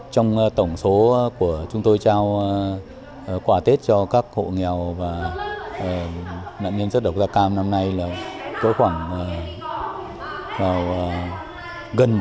trong tổng số của chúng tôi trao quà tết cho các hộ nghèo và nạn nhân chất độc gia cam năm nay là có khoảng gần một xuất quà